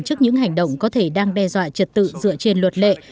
trước những hành động có thể đang đe dọa trật tự dựa trên luật lệ